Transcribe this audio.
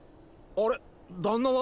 あれ旦那は？